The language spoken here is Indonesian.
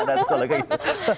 gimana tuh kalau kayak gitu